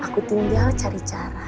aku tinggal cari cara